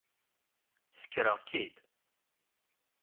Sekreɣ-k-id.